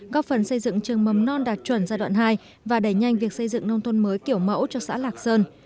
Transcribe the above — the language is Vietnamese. góp phần xây dựng trường mầm non đạt chuẩn giai đoạn hai và đẩy nhanh việc xây dựng nông thôn mới kiểu mẫu cho xã lạc sơn